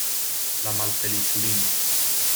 La malfeliĉulino!